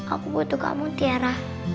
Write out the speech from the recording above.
aku butuh kamu tiara